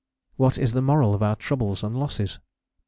What is the moral of our troubles and losses?